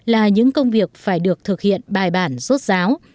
là những công việc phải được thực hiện bài bản rốt ráo